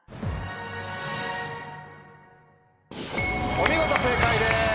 お見事正解です！